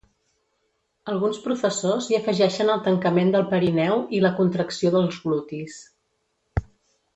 Alguns professors hi afegeixen el tancament del perineu i la contracció dels glutis.